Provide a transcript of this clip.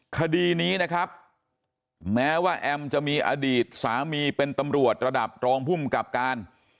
คดีนี้นะครับแม้ว่าแอมจะมีอดีตสามีเป็นตำรวจระดับรองภูมิกับการ